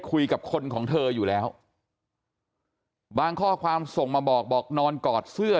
คุยกับคนของเธออยู่แล้วบางข้อความส่งมาบอกบอกนอนกอดเสื้อ